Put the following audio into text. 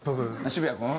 渋谷君？